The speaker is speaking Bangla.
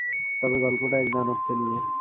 তবে গল্পটা এক দানবকে নিয়ে।